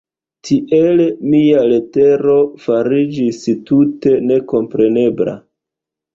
Tiel mia letero fariĝis tute nekomprenebla.